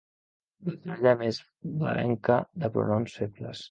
La parella més blavenca de pronoms febles.